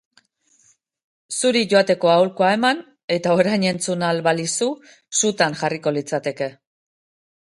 Zuri joateko aholkua eman eta orain entzun ahal balizu, sutan jarriko litzateke.